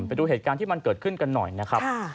ไปดูเหตุการณ์ที่มันเกิดขึ้นกันหน่อยนะครับ